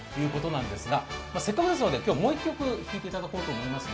せっかくですので、もう一曲弾いていただこうと思います